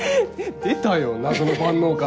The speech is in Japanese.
出たよ謎の万能感。